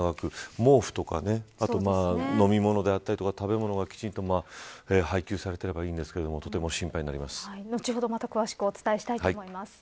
毛布とか、飲みものであったりとか食べ物がしっかり配給されていればいいんですが後ほど、また詳しくお伝えしたいと思います。